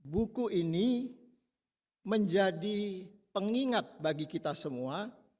buku ini menjadi pengingat bagi kita semua